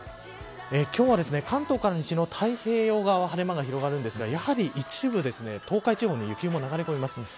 今日は関東から西の太平洋側は晴れ間が広がるんですがやはり一部、東海地方に雪も流れ込みます。